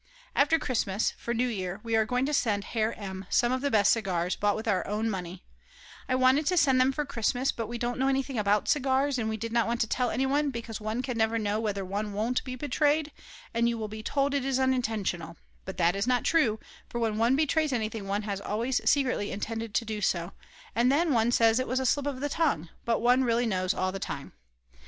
After Christmas; for New Year, we are going to send Herr M. some of the best cigars, bought with our own money, I wanted to send them for Christmas, but we don't know anything about cigars, and we did not want to tell anyone because one can never know whether one won't be betrayed and you will be told it is unintentional; but that is not true, for when one betrays anything one has always secretly intended to do so; and then one says it was a slip of the tongue; but one really knows all the time.